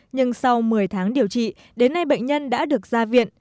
nhưng sau một mươi tháng điều trị đến nay bệnh nhân đã được ra viện